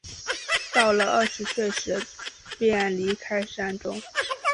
到了二十岁时便离开山中。